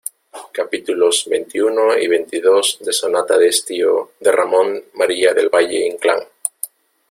capítulos veintiuno y veintidós de Sonata de Estío, de Ramón María del Valle-Inclán.